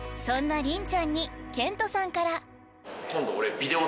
［そんな凛ちゃんにケントさんから］